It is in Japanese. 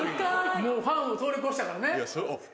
もうファンを通り越したからね。